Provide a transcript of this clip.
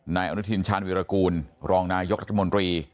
นายอนุทินชาญวิรากูลรองนายกรัฐมนตรี